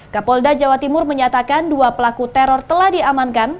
kapolda jawa timur menyatakan dua pelaku teror telah diamankan